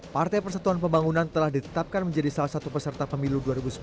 partai persatuan pembangunan telah ditetapkan menjadi salah satu peserta pemilu dua ribu sembilan belas